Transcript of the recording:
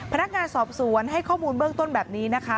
พนักงานสอบสวนให้ข้อมูลเบื้องต้นแบบนี้นะคะ